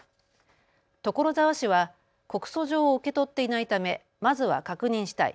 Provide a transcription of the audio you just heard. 所沢市は告訴状を受け取っていないためまずは確認したい。